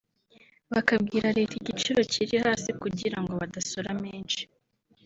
bakabwira Leta igiciro kiri hasi kugira ngo badasora menshi